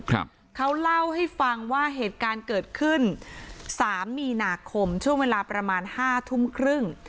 ครับเขาเล่าให้ฟังว่าเหตุการณ์เกิดขึ้นสามมีนาคมช่วงเวลาประมาณห้าทุ่มครึ่ง